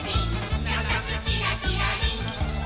「なつなつキラキラリン！」